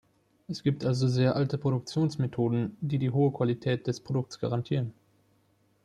Es gibt also sehr alte Produktionsmethoden, die die hohe Qualität des Produkts garantieren.